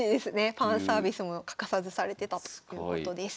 ファンサービスも欠かさずされてたということです。